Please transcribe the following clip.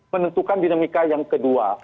menentukan dinamika yang kedua